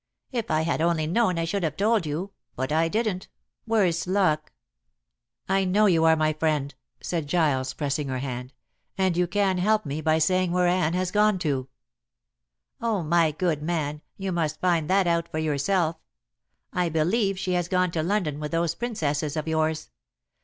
If I had only known I should have told you; but I didn't, worse luck." "I know you are my friend," said Giles, pressing her hand. "And you can help me by saying where Anne has gone to." "Oh, my good man, you must find that out for yourself! I believe she has gone to London with those Princesses of yours.